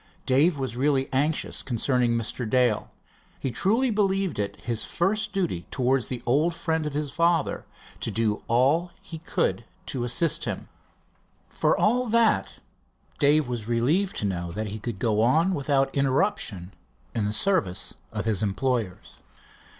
Dave was really anxious concerning Mr. Dale. He truly believed it his first duty towards the old friend of his father to do all he could to assist him. For all that, Dave was relieved to know that he could go on without interruption in service of his employers.